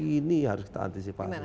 ini harus kita antisipasi